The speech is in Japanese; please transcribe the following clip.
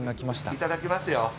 いただきますよ。